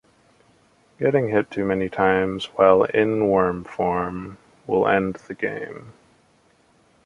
Getting hit too many times while in worm form will end the game.